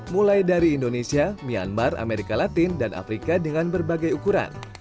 mulai dari indonesia myanmar amerika latin dan afrika dengan berbagai ukuran